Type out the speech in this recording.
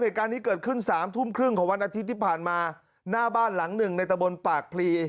เหตุการณ์นี้เกิดขึ้นสามทุ่มครึ่งของวันอาทิตย์ที่ผ่านมาหน้าบ้านหลังหนึ่งในตะบนปากพลี